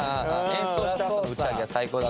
演奏したあとの打ち上げは最高だから。